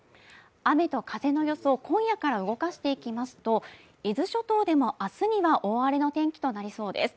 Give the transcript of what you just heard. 雨と風の予想、今夜から動かしていきますと伊豆諸島でも明日には大荒れの天気となりそうです。